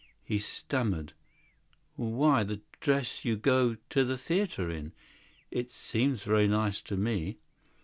He stammered: "Why, the gown you go to the theatre in. It looks very well to me."